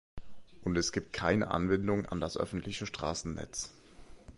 Und es gibt keine Anbindung an das öffentliche Straßennetz.